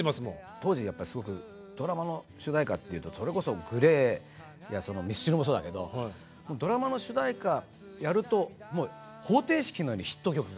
当時すごくドラマの主題歌っていうとそれこそＧＬＡＹやミスチルもそうだけどドラマの主題歌やると方程式のようにヒット曲が生まれてた。